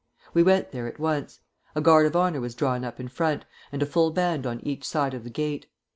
We went there at once. A guard of honor was drawn up in front, and a full band on each side of the gate.